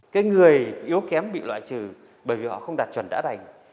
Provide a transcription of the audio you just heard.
các người yếu kém bị loại trừ bởi vì họ không đạt chuẩn đã đành